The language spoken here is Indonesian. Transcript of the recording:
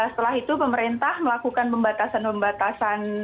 setelah itu pemerintah melakukan pembatasan pembatasan